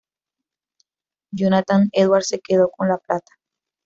Jonathan Edwards se quedó con la plata.